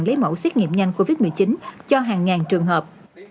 lấy mẫu xét nghiệm nhanh covid một mươi chín cho hàng ngàn trường hợp